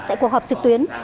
tại cuộc họp trực tuyến